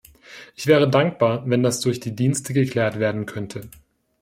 Ich wäre dankbar, wenn das durch die Dienste geklärt werden könnte.